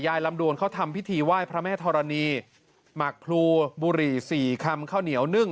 ลำดวนเขาทำพิธีไหว้พระแม่ธรณีหมักพลูบุหรี่สี่คำข้าวเหนียวนึ่ง